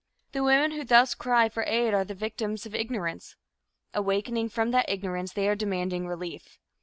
The women who thus cry for aid are the victims of ignorance. Awakening from that ignorance, they are demanding relief.